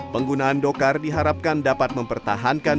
penggunaan dokar diharapkan dapat mempertahankan